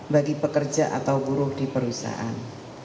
bagi pekerja atau buruh di perusahaan